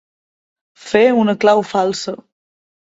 Fer una clau falsa.